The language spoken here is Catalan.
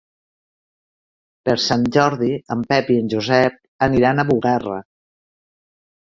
Per Sant Jordi en Pep i en Josep aniran a Bugarra.